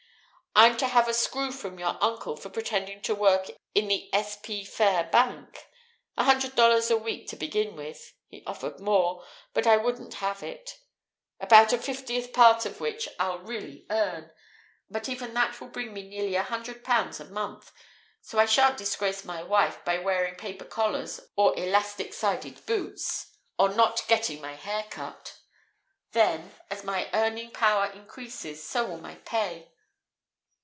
I'm to have a screw from your uncle for pretending to work in the S. P. Phayre Bank: a hundred dollars a week to begin with (he offered more, but I wouldn't have it), about a fiftieth part of which I'll really earn. But even that will bring me nearly a hundred pounds a month, so I shan't disgrace my wife by wearing paper collars or elastic sided boots, or not getting my hair cut. Then, as my earning power increases, so will my pay.